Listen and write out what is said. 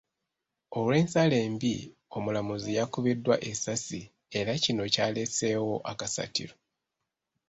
Olw'ensala embi, omulamuzi yakubiddwa essasi era kino kyaleeseewo akasattiro.